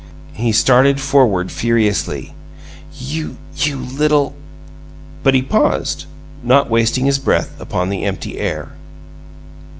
He started forward furiously. "You you you little " But he paused, not wasting his breath upon the empty air.